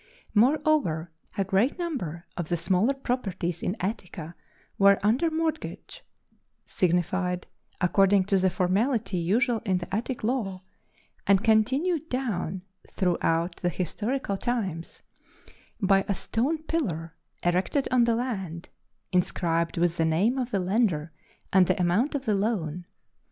Moreover, a great number of the smaller properties in Attica were under mortgage, signified according to the formality usual in the Attic law, and continued down throughout the historical times by a stone pillar erected on the land, inscribed with the name of the lender and the amount of the loan.